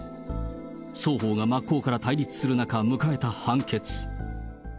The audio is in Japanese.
双方が真っ向から対立する中迎えた判決。